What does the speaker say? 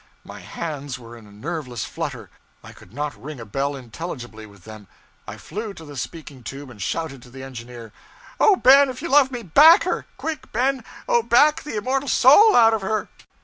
My hands were in a nerveless flutter. I could not ring a bell intelligibly with them. I flew to the speaking tube and shouted to the engineer 'Oh, Ben, if you love me, _back _her! Quick, Ben! Oh, back the immortal soul out of her!'